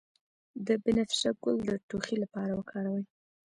د بنفشه ګل د ټوخي لپاره وکاروئ